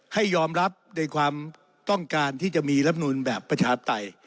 ให้ยอมรับในความต้องการที่จะมีรับนูลแบบประชาปไตย